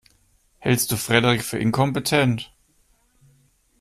Hältst du Frederik für inkompetent?